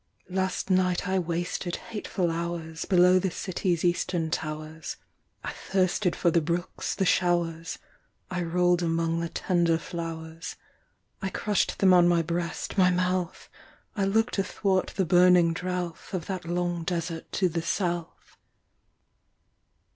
Last night I wasted hateful hours Below the city’s eastern towers: I thirsted for the brooks, the showers: I roll’d among the tender flowers: I crush’d them on my breast, my mouth: I look’d athwart the burning drouth Of that long desert to the south.